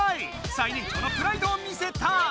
最年長のプライドを見せた！